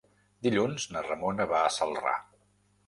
Dilluns na Ramona va a Celrà.